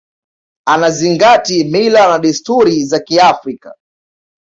anazingati mila na desturi za kiafrika